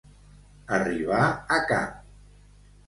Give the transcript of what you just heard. Arribar a cap.